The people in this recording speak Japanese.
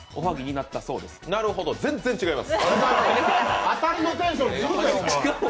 なるほど、全然違います！